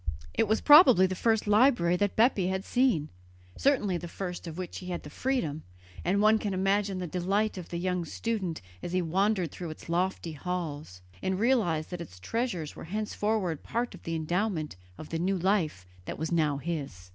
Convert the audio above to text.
It was probably the first library that Bepi had seen, certainly the first of which he had had the freedom, and one can imagine the delight of the young student as he wandered through its lofty halls, and realized that its treasures were henceforward part of the endowment of the new life that was now his.